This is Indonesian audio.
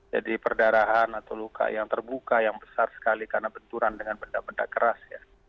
jadi perdarahan atau luka yang terbuka yang besar sekali karena benturan dengan benda benda keras